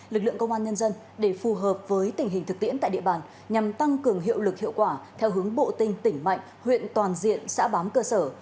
lực lượng công an nhân dân để phù hợp với tình hình thực tiễn tại địa bàn nhằm tăng cường hiệu lực hiệu quả theo hướng bộ tinh tỉnh mạnh huyện toàn diện xã bám cơ sở